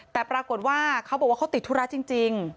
แต่ปรากฏว่าเขาบอกว่าเขาติดธุระจริง